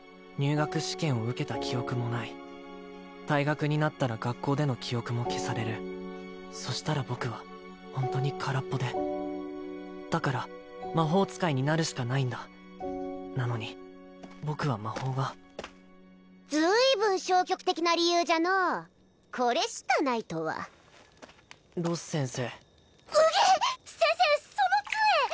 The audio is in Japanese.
入学試験を受けた記憶もない退学になったら学校での記憶も消されるそしたら僕はホントに空っぽでだから魔法使いになるしかないんだなのに僕は魔法が随分消極的な理由じゃのうこれしかないとはロス先生うげっ先生その杖！